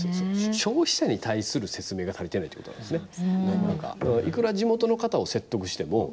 消費者に対する説明が足りてないっていうことなんですね。